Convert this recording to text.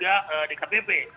dan juga dkpp